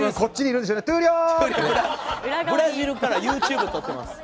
ブラジルからＹｏｕＴｕｂｅ撮ってます。